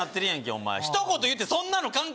お前ひと言言って「そんなの関係ねぇ」